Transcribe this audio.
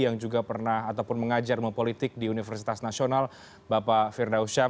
yang juga pernah ataupun mengajar mempolitik di universitas nasional bapak firdausyam